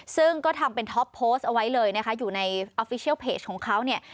ซึ่งก็ทำเป็นท็อปโพสต์เอาไว้เลยนะคะอยู่ในออฟฟิเชียลเพจของเขาเนี่ย